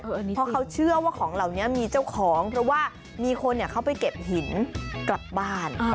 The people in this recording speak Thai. เพราะเขาเชื่อว่าของเหล่านี้มีเจ้าของเพราะว่ามีคนเขาไปเก็บหินกลับบ้าน